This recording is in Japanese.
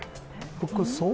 服装？